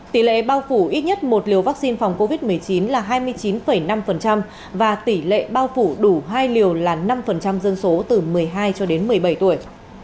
tỷ lệ bao phủ ít nhất một liều vaccine phòng covid một mươi chín là hai mươi chín năm và tỷ lệ bao phủ đủ hai liều là năm dân số từ một mươi hai cho đến một mươi bảy tuổi